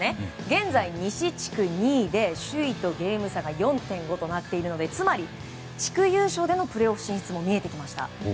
現在、西地区２位で、首位とゲーム差４．５となっているのでつまり、地区優勝でのプレーオフも見えてきました。